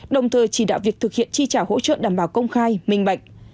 đồng thời chỉ đạo việc thực hiện chi trả hỗ trợ đảm bảo công khai minh bạch